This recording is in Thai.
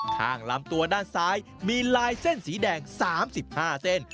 ข้างลำตัวด้านซ้ายมีลายเส้นสีแดง๓๕เส้น